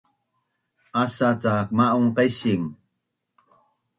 Asa cak ma’un qaising